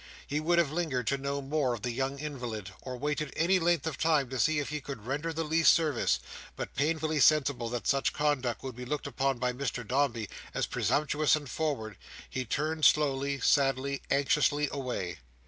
He would have lingered to know more of the young invalid, or waited any length of time to see if he could render the least service; but, painfully sensible that such conduct would be looked upon by Mr Dombey as presumptuous and forward, he turned slowly, sadly, anxiously, away.